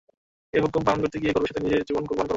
এ হুকুম পালন করতে গিয়ে গর্বের সাথে নিজের জীবন কুরবান করব।